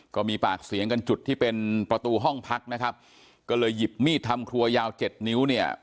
ก็มีปากเสียงกันจุดที่เป็นประตูห้องพักนะครับก็เลยหยิบมีดทำครัวยาวเจ็ดนิ้วเนี่ย